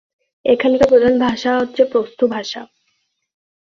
এখানকার প্রধান ভাষা হচ্ছে পশতু ভাষা।